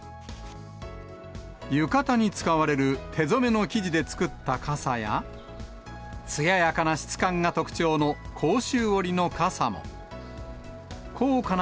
浴衣に使われる手染めの生地で作った傘や、つややかな質感が特徴の甲州織の傘も。